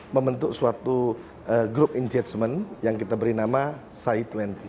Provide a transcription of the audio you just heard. membentuk suatu grup engagement yang kita beri nama cy dua puluh